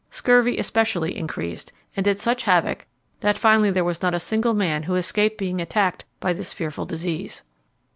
Scurvy especially increased, and did such havoc that finally there was not a single man who escaped being attacked by this fearful disease.